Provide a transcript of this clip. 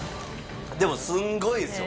でもすんごいですよ！